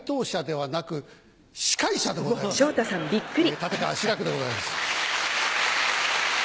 立川志らくでございます。